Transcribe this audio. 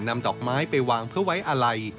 นำดอกไม้ไปวางเพื่อไว้อาลัย